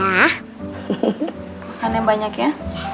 makan yang banyak ya